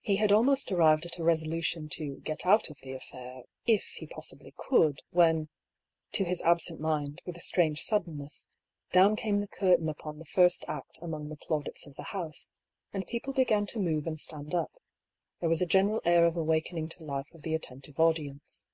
He had almost arrived at a resolution to '* get out of the affair," if he possibly could, when (to his absent mind, with a strange suddenness) down came the cur tain upon the first act among the plaudits of the house, and people began to move and stand up ; there was a general air of awakening to life of the attentive audi ence.